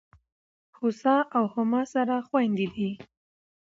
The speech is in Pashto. هوسا او هما سره خوندي دي.